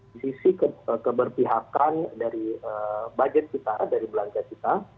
di sisi keberpihakan dari budget kita dari belanja kita